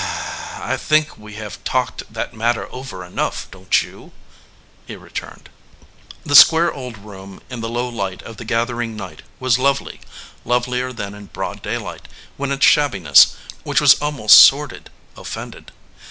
"I think we have talked that matter over enough, don t you?" he returned. The square old room in the low light of the gathering night was lovely, lovelier than in broad daylight, when its shabbiness, \vhich was almost sordid, offended.